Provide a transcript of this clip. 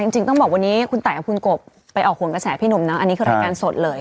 จริงต้องบอกวันนี้คุณตายกับคุณกบไปออกห่วงกระแสพี่หนุ่มนะอันนี้คือรายการสดเลย